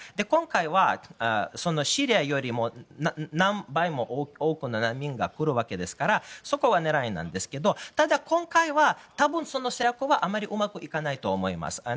今回はシリアよりも何倍も多くの難民が来るわけですからそこは狙いなんですがただ今回は、多分その戦略はあまりうまくいかないと思います。